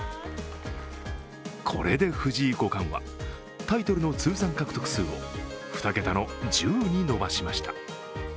これで藤井５冠はタイトルの通算獲得数を２桁の１０に伸ばしました。